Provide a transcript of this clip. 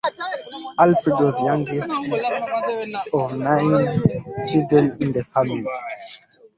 Alfred was the youngest of nine children in his family.